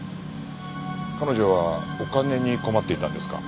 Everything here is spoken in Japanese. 彼女はお金に困っていたんですか？